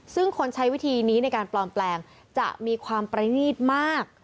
ซึ่งคนใช้วิธีนี้ในการปลอมแปลงจะมีความประนีตมาก